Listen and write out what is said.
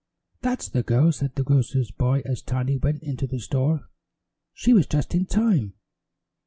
"That's the girl," said the grocer's boy as Tiny went into the store. "She was just in time."